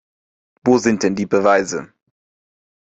Wo sind denn die Beweise?